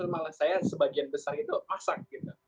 malah saya sebagian besar itu masak gitu